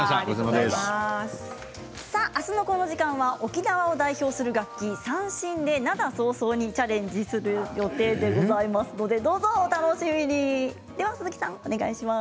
あすは沖縄を代表する楽器三線で「涙そうそう」にチャレンジする予定でございますので、どうぞお楽しみに。